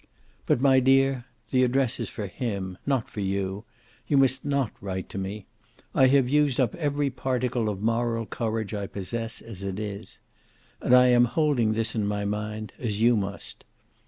"But, my dear, the address is for him, not for you. You must not write to me. I have used up every particle of moral courage I possess, as it is. And I am holding this in my mind, as you must.